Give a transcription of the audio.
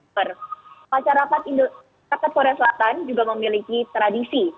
masyarakat korea selatan juga memiliki tradisi